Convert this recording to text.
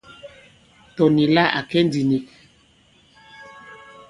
Tɔ̀ nì la à kɛ ndī nik.